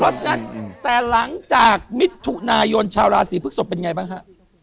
เพราะฉะนั้นแต่หลังจากมิถุนายนชาวราศีพฤกษกเป็นไงบ้างฮะ